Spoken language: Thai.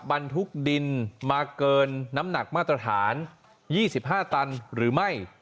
บรรทุกดินมาเกินน้ำหนักมาตรฐาน๒๕ตันหรือไม่